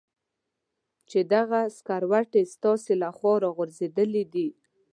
چې دغه سکروټې ستاسې له خوا را غورځېدلې دي.